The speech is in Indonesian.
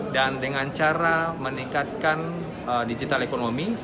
dan dengan cara meningkatkan digital ekonomi